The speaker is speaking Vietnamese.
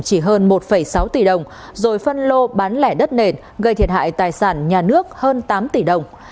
chỉ hơn một sáu tỷ đồng rồi phân lô bán lẻ đất nền gây thiệt hại tài sản nhà nước hơn tám tỷ đồng